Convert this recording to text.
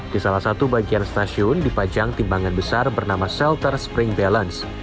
di salah satu bagian stasiun dipajang timbangan besar bernama shelter spring balance